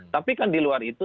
tapi kan di luar itu